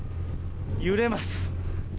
揺れます。